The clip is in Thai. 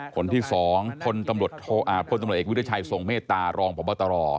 คนที่๒พลตำรวจเอกวิทยาชัยทรงเมตตารองพบตร